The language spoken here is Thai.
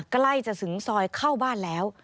ใกล้จะถึงซอยเข้าบ้านแล้ว